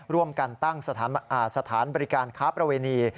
ร่วมกันตั้งสถานบริการค้าประเวณี